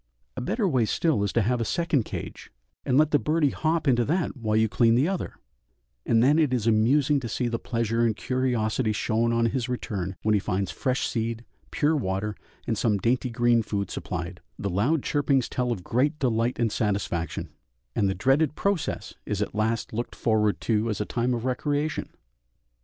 A better way still is to have a second cage, and let birdie hop into that while you clean the other, and then it is amusing to see the pleasure and curiosity shown on his return when he finds fresh seed, pure water, and some dainty green food supplied; the loud chirpings tell of great delight and satisfaction, and the dreaded process is at last looked forward to as a time of recreation.